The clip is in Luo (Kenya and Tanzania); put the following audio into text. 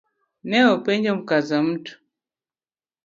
Ne openjo Mkazamtu